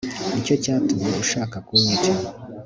Nicyo cyatumye ushaka kunyica